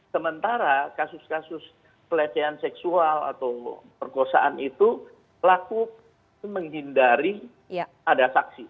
sementara kasus kasus pelecehan seksual atau perkosaan itu pelaku menghindari ada saksi